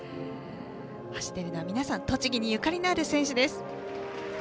走っているのは皆さん栃木にゆかりのある選手です。